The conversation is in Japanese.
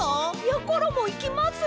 やころもいきます！